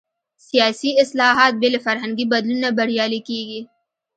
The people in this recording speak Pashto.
سیاسي اصلاحات بې له فرهنګي بدلون نه بریالي کېږي.